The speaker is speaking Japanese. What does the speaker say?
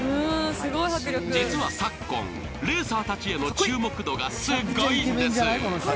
実は昨今、レーサーたちへの注目度がすっごいんです。